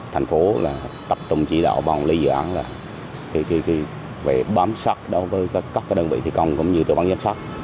thành phố tập trung chỉ đạo bằng lý dự án về bám sắt đối với các đơn vị thi công cũng như tổ bán giám sát